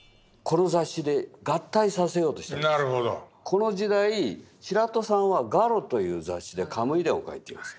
この時代白土さんは「ガロ」という雑誌で「カムイ伝」を描いています。